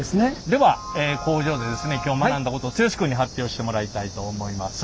では工場でですね今日学んだことを剛君に発表してもらいたいと思います。